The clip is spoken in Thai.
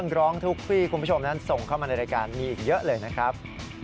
ขอบคุณครับ